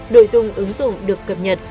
đội dung ứng dụng được cập nhật